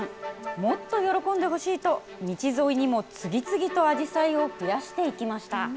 もっと喜んでほしいと、道沿いにも次々とあじさいを増やしていきました。